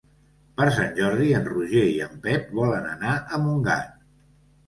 Per Sant Jordi en Roger i en Pep volen anar a Montgat.